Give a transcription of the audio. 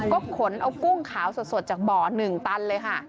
ก็ขนเอากุ้งขาวสดจากบ่อ๑ตันเลยค่ะ